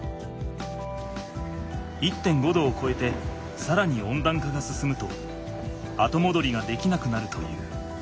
℃をこえてさらに温暖化が進むとあともどりができなくなるという。